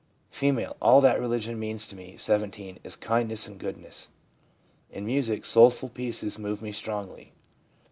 F. * All that religion means to me (17) is kindness and goodness. In music, soulful pieces move me strongly.